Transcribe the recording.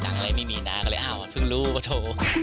อะไรไม่มีนะก็เลยอ้าวเพิ่งรู้ก็โทร